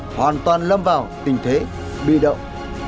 hoàn toàn lâm vào tình thế bi động